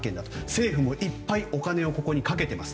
政府もいっぱいお金をここにかけてます。